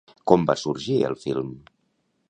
Com va sorgir el film?